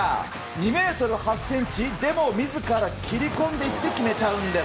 ２メートル８センチ、でもみずから切り込んでいって、決めちゃうんです。